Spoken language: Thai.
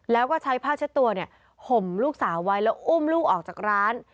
แล้วก็ใช้ผ้าเช็ดตัวเนี่ยห่มลูกสาวไว้แล้วอุ้มลูกออกจากร้าน